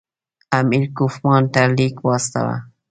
امیر کوفمان ته لیک واستاوه.